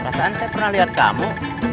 perasaan saya pernah lihat kamu